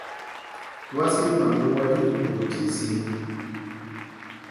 Was mí Maɓúkɛ̌l í í kut tí zye.